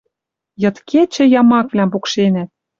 Йыд-кечӹ ямаквлӓм пукшенӓт